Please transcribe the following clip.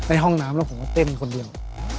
ในห้องน้ำแล้วผมก็เต้นคนเดียว